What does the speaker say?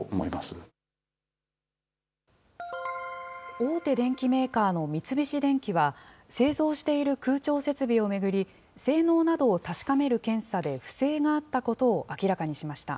大手電機メーカーの三菱電機は、製造している空調設備を巡り、性能などを確かめる検査で不正があったことを明らかにしました。